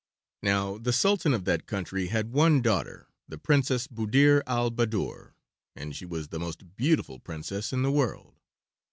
Now the Sultan of that country had one daughter, the Princess Buddir al Baddoor, and she was the most beautiful princess in the world.